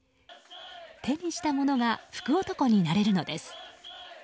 手にしたものが福男になれるのです。